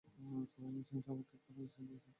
তোমার বোনের সংসার আবার ঠিক করে দিয়েছে সে।